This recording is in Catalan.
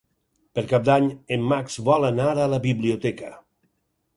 Per Cap d'Any en Max vol anar a la biblioteca.